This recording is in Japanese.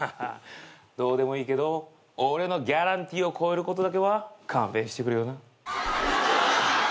どうでもいいけど俺のギャランティーを超えることだけは勘弁してくれよな。